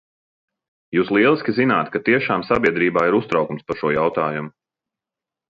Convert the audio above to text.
Jūs lieliski zināt, ka tiešām sabiedrībā ir uztraukums par šo jautājumu.